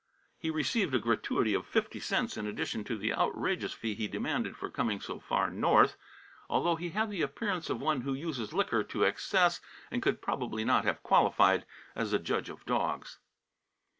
He received a gratuity of fifty cents in addition to the outrageous fee he demanded for coming so far north, although he had the appearance of one who uses liquor to excess, and could probably not have qualified as a judge of dogs.